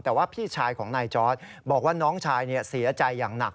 แต่ว่าพี่ชายของนายจอร์ดบอกว่าน้องชายเสียใจอย่างหนัก